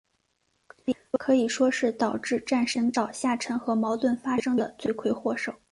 可以说是导致战神岛下沉和矛盾发生的罪魁祸首。